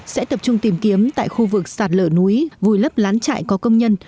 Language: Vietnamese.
sẽ tập trung tìm kiếm tại khu vực sạt lở núi vùi lấp lán trại có công nhân